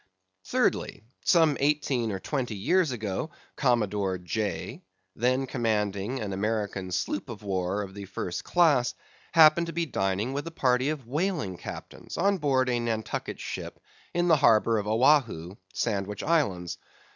Thirdly: Some eighteen or twenty years ago Commodore J——, then commanding an American sloop of war of the first class, happened to be dining with a party of whaling captains, on board a Nantucket ship in the harbor of Oahu, Sandwich Islands.